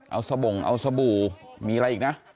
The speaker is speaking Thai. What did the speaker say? เอาสบงเอาสบู่มีอะไรอีกนะ